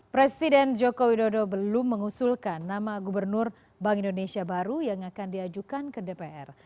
presiden joko widodo belum mengusulkan nama gubernur bank indonesia baru yang akan diajukan ke dpr